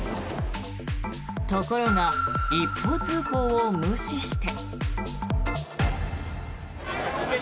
ところが一方通行を無視して。